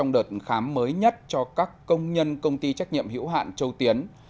luật khám mới nhất cho các công nhân công ty trách nhiệm hữu hạn châu tiến